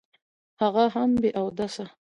هغه هم بې اوداسه.